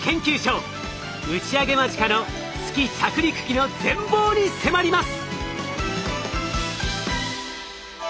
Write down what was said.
打ち上げ間近の月着陸機の全貌に迫ります。